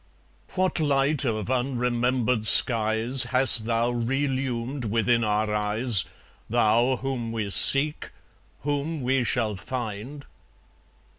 What light of unremembered skies Hast thou relumed within our eyes, Thou whom we seek, whom we shall find?